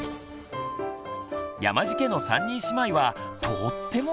山地家の三人姉妹はとっても仲よし！